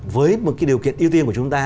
với một cái điều kiện ưu tiên của chúng ta